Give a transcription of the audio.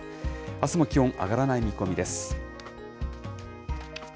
あすも気温上がらない見込みです。